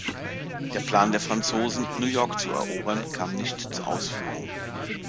Der Plan der Franzosen, New York zu erobern, kam nicht zur Ausführung.